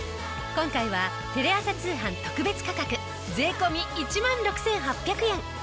今回はテレ朝通販特別価格税込１万６８００円。